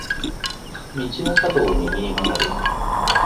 道の角を右に曲がる。